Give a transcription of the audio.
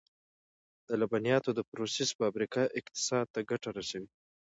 د لبنیاتو د پروسس فابریکې اقتصاد ته ګټه رسوي.